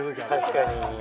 確かに。